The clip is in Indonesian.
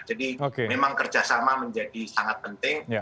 jadi memang kerja sama menjadi sangat penting